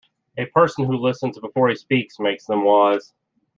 A person who listens before he speaks, makes them wise.